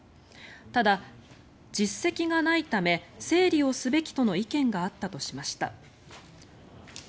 ただ、実績がないため整理をすべきとの意見があったとしました。